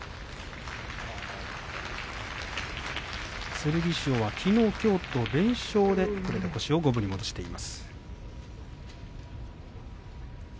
剣翔はきのうきょうと連勝星を五分に戻しています。